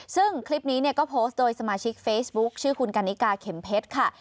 ซึ่งคลิปนี้เนี่ยก็โพสต์โดยสมาชิกเฟซบุ๊คชื่อคุณกันนิกาเข็มเพชรค่ะ